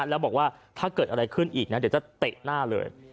แล้วบอกว่าถ้าเกิดอะไรขึ้นอีกนะเดี๋ยวจะเตะหน้าเลย